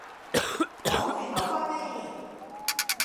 趕住投胎咩